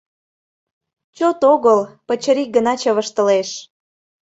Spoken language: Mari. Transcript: Чот огыл, пычырик гына чывыштылеш...